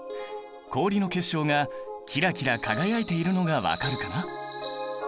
氷の結晶がキラキラ輝いているのが分かるかな？